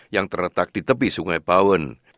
yang terletak di tepi sungai bawen